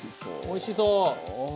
おいしそう！